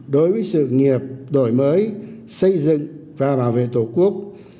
đối với sự nghiệp đổi mới xây dựng và bảo vệ tổ quốc